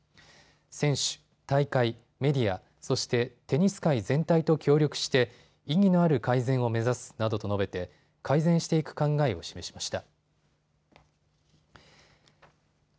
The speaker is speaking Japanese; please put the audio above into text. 選手、大会、メディア、そしてテニス界全体と協力して意義のある改善を目指すなどと述べて改善していく考えを示しました。